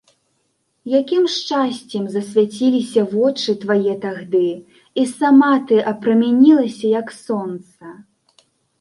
Якім шчасцем засвяціліся вочы твае тагды і сама ты абпрамянілася, як сонца!